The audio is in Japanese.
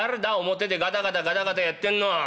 表でガタガタガタガタやってんのは」。